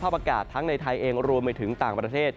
อากาศทั้งในไทยเองรวมไปถึงต่างประเทศ